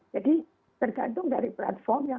jadi tergantung dari platformnya